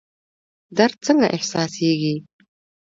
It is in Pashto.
درد څنګه احساسیږي؟